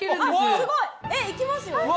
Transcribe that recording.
すごいえっいきますよ